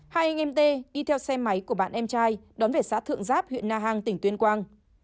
hai anh em t đi theo xe máy của bạn em trai đón về xã thượng giáp huyện na hàng tỉnh tuyên quang